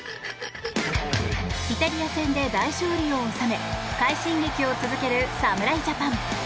イタリア戦で大勝利を収め快進撃を続ける侍ジャパン。